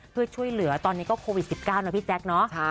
เพื่อช่วยเหลือตอนนี้ก็โควิด๑๙นะพี่แจ๊คเนอะ